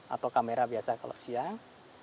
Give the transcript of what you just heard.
atau kamera biasa kalau siang